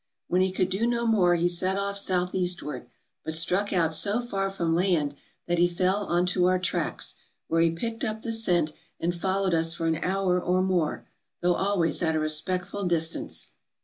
When he could do no more he set off southeastward, but struck out so far from land that he fell on to our tracks, where he picked up the scent and followed us for an hour or more, though always at a respectful distance."